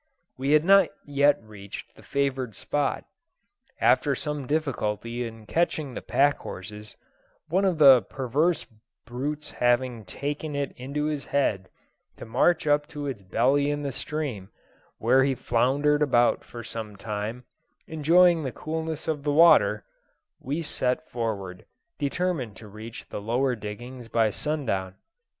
We had not yet reached the favoured spot. After some difficulty in catching the pack horses, one of the perverse brutes having taken it into its head to march up to its belly in the stream, where he floundered about for some time, enjoying the coolness of the water, we set forward, determined to reach the lower diggings by sundown.